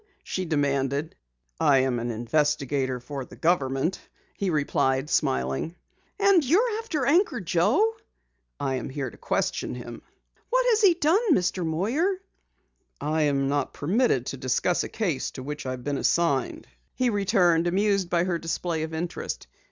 she demanded. "I am an investigator for the government," he replied, smiling. "And you're after Anchor Joe?" "I am here to question him." "What has he done, Mr. Moyer?" "I am not permitted to discuss a case to which I have been assigned," he returned, amused by her display of interest.